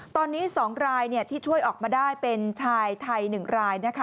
ตอนนี้๒รายที่ช่วยออกมาได้เป็นชายไทย๑รายนะคะ